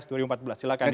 silahkan dijelaskan mas